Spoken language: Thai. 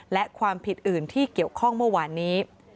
และความผิดอื่นที่เกี่ยวข้องเมื่อวานนี้